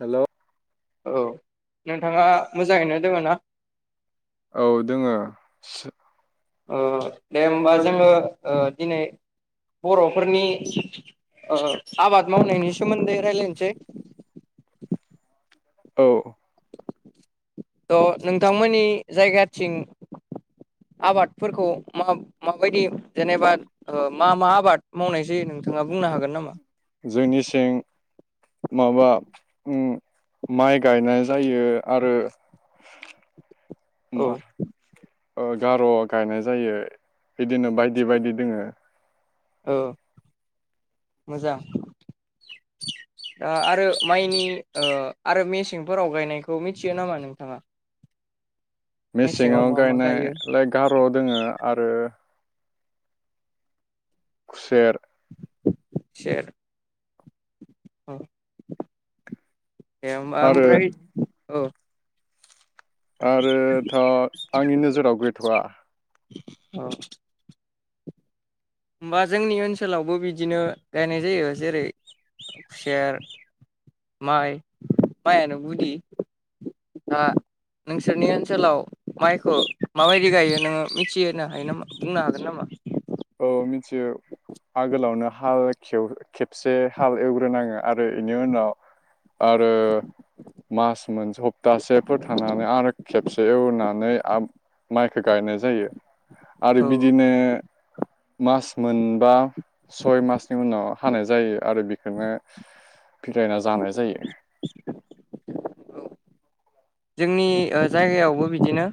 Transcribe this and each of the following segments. Hello. औ नोंथाङा मोजाङैनो दोङ ना? औ दोङो। ओ दे होमबा जोङो ओ दिनै बर'फोरनि ओ आबाद मावनायनि सोमोन्दै रायलायनोसै। औ। थ‌ नोंथांमोननि जायगाथिं आबादफोरखौ मा-माबायदि जेनेबा ओ मा मा आबाद मावनाय जायो नोंथाङा बुंनो हागोन नामा? जोंनिसिं माबा माइ गायनाय जायो आरो औ मा ओ गार गायनाय जायो। बिदिनो बायदि बायदि दोङो। औ मोजां दा आरो माइनि ओ आरो मेसेंफोराव गायनायखौ मिथियो नामा नोंथाङा? मेसेङाव मा मा गायनाय गायो लाइक गार दङो। आरो। खुसेर। सेर। अ। [unintelligible] आरो ओमफ्राय। औ। आरो थ आंनि नोजोराव गैथआ। अ। होनबा जोंनि ओनसोलावबो बिदिनो गायनाय जायो जेरै खुसेर माइ माइआनो गुदि दा नोंसोरनि ओनसोलाव माइखौ माबायदि गायो नोङो मिथिहोनो हायो नामा बुंनो हागोन नामा? औ मिथियो आगोलावनो हाल खेबसे हाल एवग्रोनाङो आरो इनि उनाव आरो मास मोनसे सप्तासेफोर थानानै आरो खेबसे एवनानै माइखौ गायनाय जायो। आरो औ बिदिनो। मास मोनबा सय मासनि उनाव हानाय जायो आरो बेखौनो फिलायना जानाय जायो। जोंनि ओ जायगायावबो बिदिनो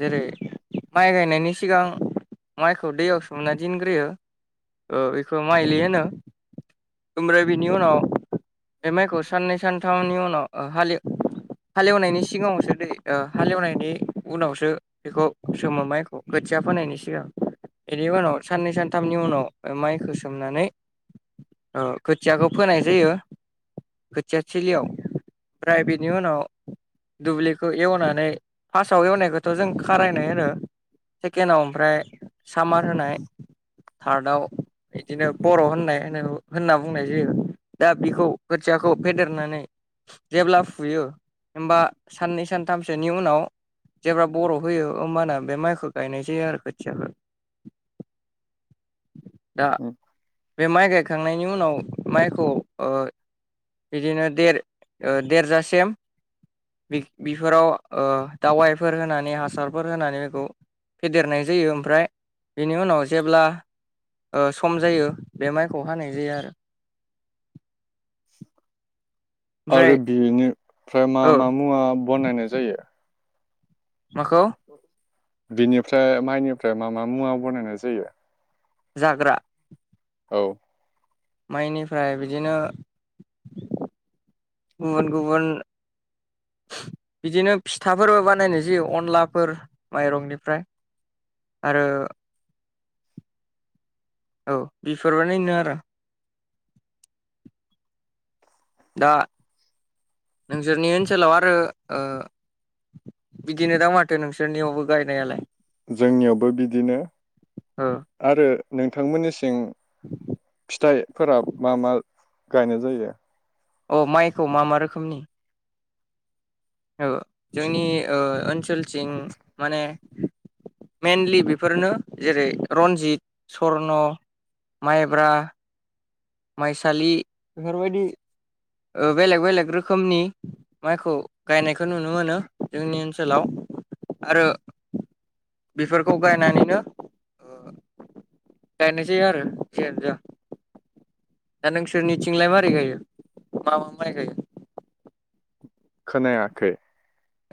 जेरै माइ गायनायनि सिगां माइखौ दैयाव सोमना दिनग्रोयो ओ बेखौ माइलि होनो। ओमफ्राय बिनि उनाव बे माइखौ साननै सानथामनि उनाव हाले हालेवनायनि सिगाङावसो दै हालेवनायनि उनावसो बेखौ सोमो माइखौ खोथिया फोनायनि सिगां बेनि उनाव साननै सानथामनि उनाव माइखौ सोमनानै। ओ खोथियाखौ फोनाय जायो खोथिया थिलियाव ओमफ्राय बेनि उनाव दुब्लिखौ एवनानै फार्स्टआव एवनायखौथ जों खारायनाय होनो सेकेण्डआव ओमफ्राय सामार होनाय टार्दआव बर होननाय होनो। होनना बुंनाय जायो दा बेखौ खोथियाखौ फेदेरनानै जेब्ला फुयो होनबा साननै सानथामसोनि उनाव जेब्ला बर होयो होमबाना बे माइखौ गायनाय जायो आरो खोथियाखौ। दा बे माइ गाय खांनायनि उनाव माइखौ ओ बिदिनो देर ओ देरजासिम बि-बिफोराव ओ दावाइफोर होनानै हासारफोर होनानै बेखौ फेदेरनाय जायो ओमफ्राय बेनि उनाव जेब्ला। ओ सम जायो बे माइखौ हानाय जायो आरो। [inaudible] ओमफ्राय आरो बिनिफ्राय मा ओ मा मुवा बानायनाय जायो? माखौ बिनिफ्राय माइनिफ्राय मा मा मुवा बानायनाय जायो। जाग्रा औ माइनिफ्राय बिदिनो गुबुन गुबुन बिदिनो फिथाफोरबो बानायबो जायो अनलाफोर माइरंनिफ्राय आरो औ बेफोर बानायनो आरो दा नोंसोरनि ओनसोलाव आरो ओ बिदिनो दा माथो नोंसोरनियावबो गायनायालाय। जोंनियावबो बिदिनो ओ आरो नोंथांमोननि सिं [inaudible] फिथाइफोरा मा मा गायनाय जायो? अ माइखौ मा मा रोखोमनि? ओ जोंनि ओ ओनसोलथिं माने मेइनलि बेफोरनो जेरै रन्जित, सर्न, माइब्रा माइसालि बेफोरबायदि बेलेग बेलेग रोखोमनि माइखौ गायनायखौ नुनो मोनो जोंनि ओनसोलाव आरो बेफोरखौ गायनानैनो गायनाय जायो आरो जियानो जा दा नोंसोरनिथिंलाय मारै गायो मा मा माइ गायो? खोनायाखै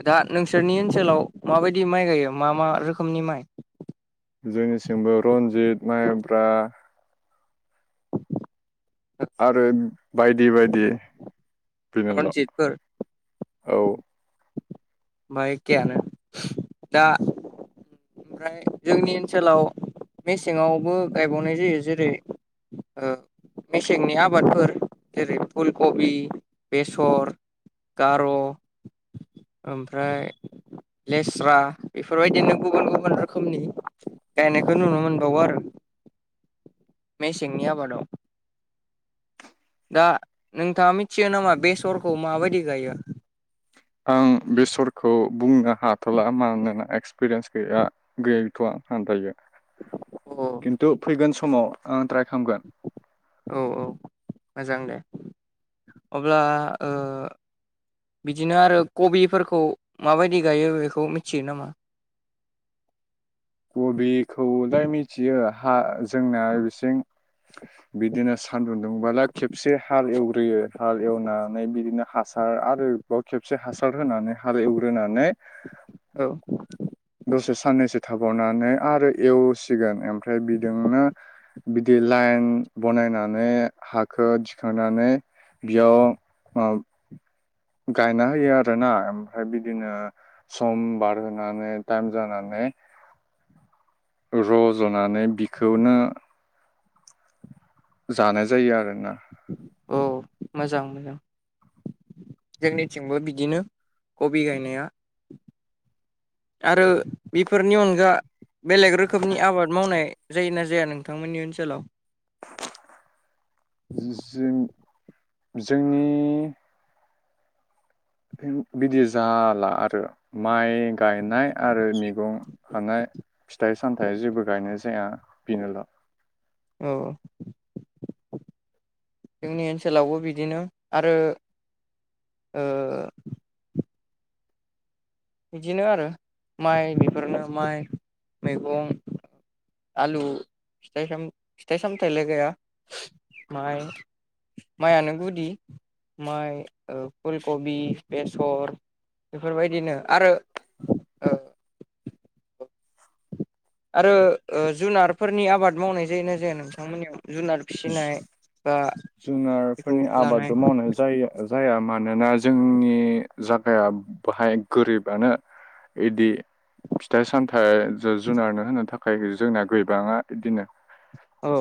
दा नोंसोरनि ओनसोलाव माबायदि माइ गायो मा मा रोखोमनि माइ? जोंनिथिंबो रन्जित, माइब्रा आरो बायदि बायदि। बेनोल रनजितफोर औ होमबा एखेयानो दा ओमफ्राय जोंनि ओनसोलाव मेसेङावबो गायबावनाय जायो जेरै ओ मेसेंनि आबादफोर जेरै फुल कबि, बेसर गार ओमफ्राय लेस्रा बेफोरबायदिनो गुबुन गुबुन फोर रोखोमनि गायनायखौ नुनो मोनबावो आरो मेसेंनि आबादाव दा नोंथाङा मिथियो नामा बेसरखौ माबायदि गायो। आं बेसरखौ बुंनो हाथला मानोना एक्सपिरियेन्स गैया गैयैथ'आ आं दायो। अ खिन्थु फैगोन समाव आं‌ ट्राइ खामगोन। औ औ मोजां दे अब्ला ओ बिदिनो आरो कबिफोरखौ माबायदि गायो बेखौ मिथियो नामा? कबिखौलाय मिथियो हा जोंना बिसिं बिदिनो सानदुं दुंबालाय खेबसे हाल एवग्रोयो हाल एवनानै बिदिनो हासार आरोबाव खेबसे हासार होनानै हाल एवग्रोनानै औ दसे साननैसो थाबावनानै आरो एवसिगोन ओमफ्राय बिजोंनो बिदि लाइन बनायनानै हाखो दिखांनानै बियाव ओ गायना होयो आरोना ओमफ्राय बिदिनो सम बारहोनानै टाइम जानानै रजनानै बिखौनो जानाय जायो आरोना औ मोजां मोजां जोंनिथिंबो बिदिनो कबि गायनाया आरो बेफोरनि अनगा बेलेग रोखोमनि आबाद मावनाय जायोना जाया नोंथांमोननि ओनसोलाव जों-जोंनि [unintelligible] बिदि जाला आरो माइ गायनाय आरो मैगं हानाय। फिथाइ सामथायाइ जेबो गायनाय जाया बेनोल। औ जोंनि ओनसोलावबो बिदिनो आरो। बिदिनो आरो माइ बेफोरनो माइ मैगं आलु फिथाइ साम फिथाइ सामथायलाय गाया माइ माइयानो गुदि माइ फुल कबि बेसर बेफोरबायदिनो। आरो औ। आरो जुनारफोरनि आबाद मावनाय जायोना जाया नोंथांमोननियाव। जुनार फिसिनाय [unintelligible] बा बेखौ जुनारफोरनि लानाय आबादबो मावनाय जायो। जाया मानोना जोंनि जागाया बाहाय गोरिबानो बिदि फिथाइ सामथाइ जिब जुनारनो होनो थाखाय जोंना गोबाङा बिदिनो। औ।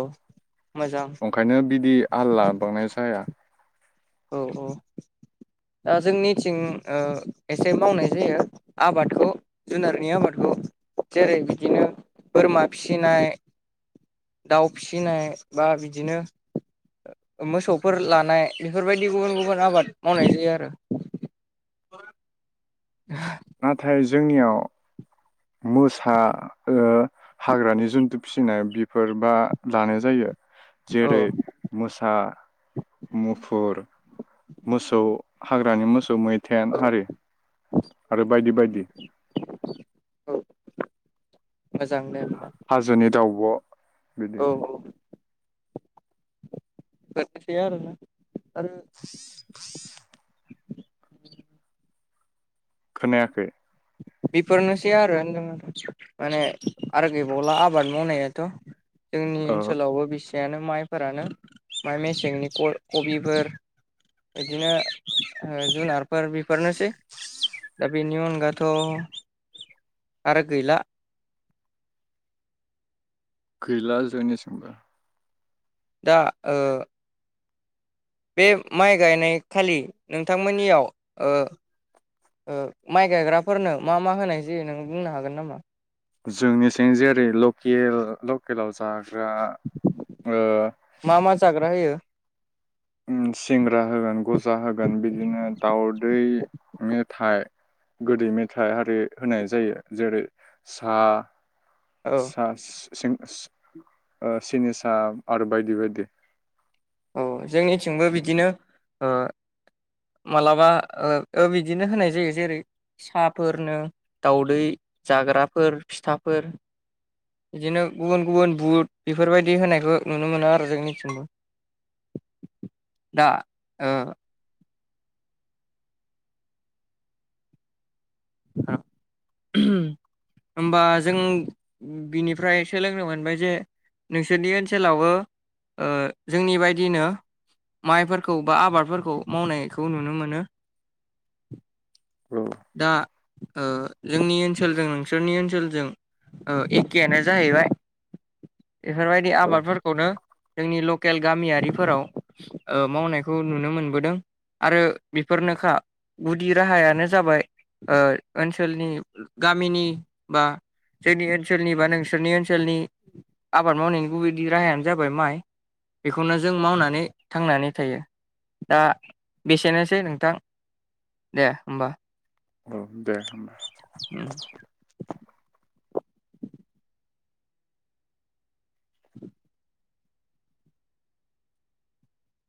मोजां ओंखायनो बिदि आल लाबावनाय जाया। औ औ दा जोंनिथिं एसे मावनाय जायो आबादखौ जुनारनि आबादखौ जेरै बिदिनो बोरमा फिसिनाय दाउ फिसिनाय बा बिदिनो मोसौफोर लानाय बेफोरबायदि गुबुन गुबुन आबाद मावनाय जायो आरो। नाथाय। जोंनियाव मोसा ओ हाग्रानि जन्थु फिसिनाय बेफोरबा लानाय जायो। औ जेरै मोसा मुफुर मोसौ हाग [unintelligible] मैथेन हारि। आरो बायदि बायदि। मोजांनो होमा अ औ औ। [unintelligible] आरोना। आरो। खोनायाखै। बेफोरनोसै आरो होनदों माने आरो गैबावला आबाद मावनायाथ जोंनि ओ ओनसोलावबो बेसे फानो माइफोरानो माइ मेसेंनि खबिफोर बिदिनो जुनार फोर बेफोरनोसै। दा बेनि अनगा। थ आरो गैला। खैला जयनिसिंबा दा ओ बे माइ गायनायखालि नोंथांमोननियाव माइ गायग्राफोरनो मा मा होनाय जायो नों बुंनो हागोन नामा? जोंनिथिं जेरै लकेल लकेलाव जा थ्रा ओ मा मा जाग्रा होयो ओम सिंग्रा होगोन गजा होगोन बिदिनो दाउदै मेथाइ गोदै मेथाइ आरि होनाय जायो जेरै साहा औ सा। सिं सि ओ सिनिसा आरो बायदि बायदि औ जोंनिथिंबो बिदिनो ओ मालाबा ओ बिदिनो होनाय जायो जेरै- साहाफोरनो दाउदै जाग्राफोर फिथाफोर बिदिनो गुबुन गुबुन बुट बेफोरबायदि होनायखौ नुनो मोनो आरो जोंनिथिंबो। दा ओ हा [unintelligible] होमबा जों बिनिफ्राय सोलोंनो मोनबाय जे नोंसोरनि ओनसोलावबो ओ जोंनि बायदिनो माइफोरखौ बा आबादफोरखौ मावनायखौ नुनो मोनो। [inaudible] औ दा ओ जोंनि ओनसोलजों नोंसोरनि ओनसोलजों ओ एखेआनो जाहैबाय। बेफोरबायदि औ आबादफोरखौनो जोंनि लकेल गामियारिफोराव ओ मावनायखौ नुनो मोनबोदों आरो बेफोरनोखा गुदि राहायानो जाबाय ओ ओनसोलनि गामिनि बा जोंनि ओनसोलनि बा नोंसोरनि ओनसोलनि आबाद मावनायनि गुबै राहायानो जाबाय माइ बेखौनो जों मावनानै थांनानै थायो दा बेसेनोसै नोंथां दे होमबा। औ दे होनबा। [inaudible]